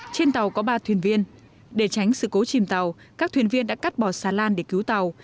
trên tàu có ba thuyền viên để tránh sự cố chìm tàu các thuyền viên đã cắt bỏ xà lan để cứu tàu